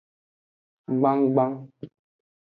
Gbangban.